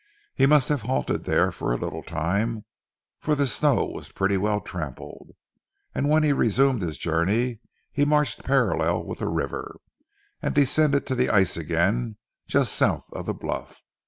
He must have halted there for a little time, for the snow was pretty well trampled, and when he resumed his journey, he marched parallel with the river, and descended to the ice again just south of the bluff.